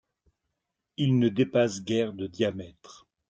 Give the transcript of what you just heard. Ils ne dépassent guère de diamètre.